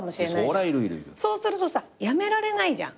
そうするとさやめられないじゃん。